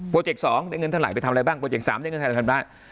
โปรเจกต์๒ได้เงินเท่าไหร่ไปทำอะไรบ้างโปรเจกต์๓ได้เงินเท่าไหร่ไปทำอะไรบ้าง